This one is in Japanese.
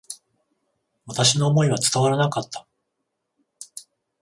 私の思いは伝わらなかった。